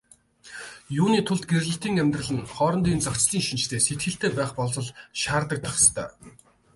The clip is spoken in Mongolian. Юуны тулд гэрлэлтийн амьдрал нь хоорондын зохицлын шинжтэй сэтгэлтэй байх болзол шаардагдах ёстой.